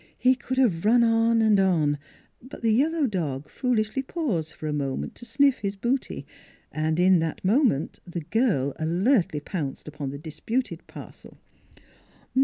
He could have run on and on; but the yellow dog foolishly paused for a moment to sniff his booty, and in that moment the girl alertly pounced upon the disputed parcel.